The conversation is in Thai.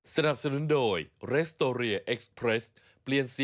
ใช่ถนนเดียวกันเลย